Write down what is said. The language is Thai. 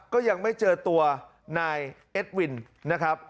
ก็ยังไม่เจอตัวนายเอดวินนาฬิกา